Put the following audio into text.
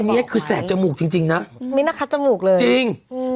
วันนี้คือแสดจมูกจริงจริงน่ะมีหน้าคัดจมูกเลยจริงอืม